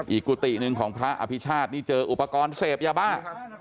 กุฏิหนึ่งของพระอภิชาตินี่เจออุปกรณ์เสพยาบ้า